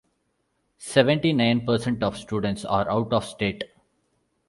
Seventy-nine percent of students are out-of-state.